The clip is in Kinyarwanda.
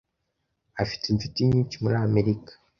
Afite inshuti nyinshi muri Amerika.